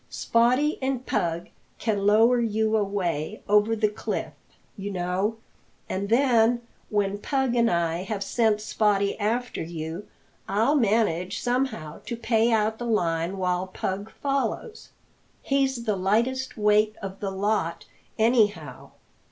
Spottie and Pug can lower you away over the cliff, you know and then, when Pug and I have sent Spottie after you, I'll manage somehow to pay out the line while Pug follows. He's the lightest weight of the lot, anyhow."